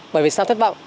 bởi vì sao thất vọng